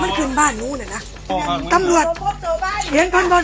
มันคือบ้านโน้นเนี้ยนะตำรวจเห็นคนบน